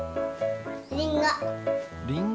りんご。